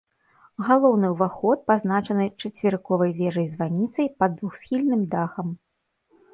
Галоўны ўваход пазначаны чацверыковай вежай-званіцай пад двухсхільным дахам.